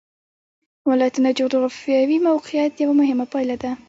ولایتونه د جغرافیایي موقیعت یوه مهمه پایله ده.